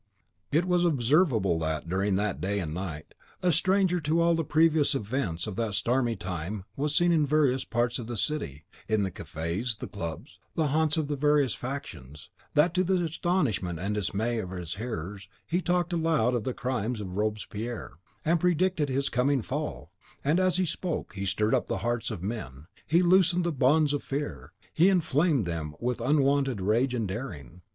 It was observable (and the fact may be found in one of the memoirs of the time) that, during that day and night (the 7th Thermidor), a stranger to all the previous events of that stormy time was seen in various parts of the city, in the cafes, the clubs, the haunts of the various factions; that, to the astonishment and dismay of his hearers, he talked aloud of the crimes of Robespierre, and predicted his coming fall; and, as he spoke, he stirred up the hearts of men, he loosed the bonds of their fear, he inflamed them with unwonted rage and daring.